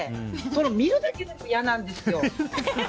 見るだけでも嫌なんですよ。